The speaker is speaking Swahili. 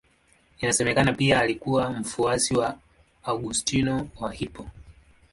Inasemekana pia alikuwa mfuasi wa Augustino wa Hippo.